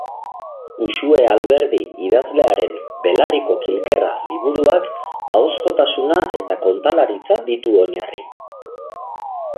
Uxue Alberdi idazlearen "Belarriko kilkerra" liburuak ahozkotasuna eta kontalaritza ditu oinarri.